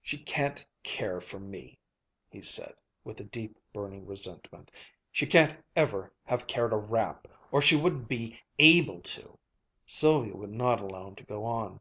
"She can't care for me," he said, with a deep, burning resentment. "She can't ever have cared a rap, or she wouldn't be able to " Sylvia would not allow him to go on.